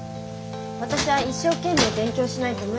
私は一生懸命勉強しないと無理。